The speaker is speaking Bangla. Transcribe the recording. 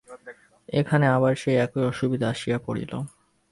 এখানে আবার সেই একই অসুবিধা আসিয়া পড়িল।